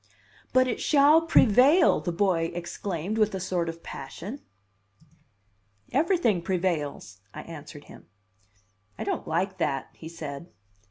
"But it shall prevail!" the boy exclaimed with a sort of passion. "Everything prevails," I answered him. "I don't like that," he said.